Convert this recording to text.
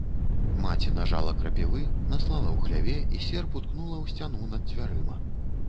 Маці нажала крапівы, наслала ў хляве і серп уткнула ў сцяну над дзвярыма.